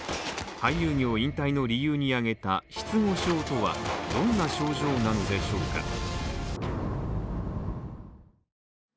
俳優業引退の理由に挙げた失語症とはどんな症状なのでしょうか。